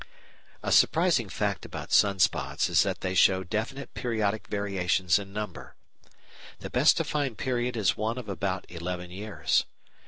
A surprising fact about sun spots is that they show definite periodic variations in number. The best defined period is one of about eleven years.